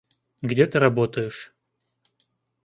Где ты работаешь?